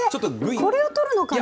これを取るのかな。